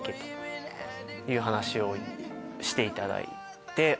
話をしていただいて。